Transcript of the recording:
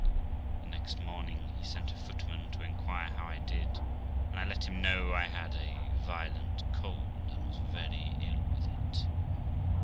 The next morning he sent a footman to inquire how I did ; and I let him know I had a violent cold, and was very ill with it.